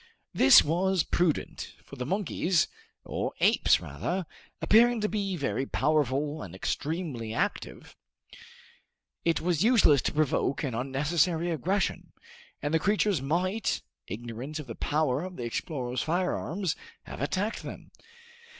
This was prudent, for the monkeys, or apes rather, appearing to be very powerful and extremely active, it was useless to provoke an unnecessary aggression, and the creatures might, ignorant of the power of the explorers' firearms, have attacked them.